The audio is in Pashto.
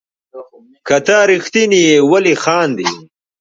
که ته ريښتيني يي ولي خاندي